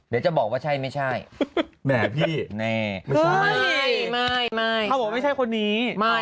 เขาบอกว่าไม่ใช่คนนี้